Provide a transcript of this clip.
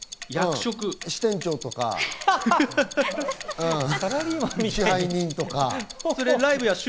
支店長とか、支配人とか。